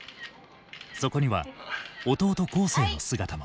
そこには弟恒成の姿も。